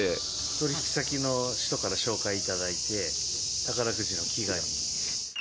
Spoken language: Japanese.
取り引き先の人から紹介いただいて、宝くじの祈願に。